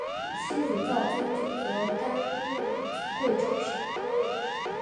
妻子赵曾玖则任职于贵州省科委。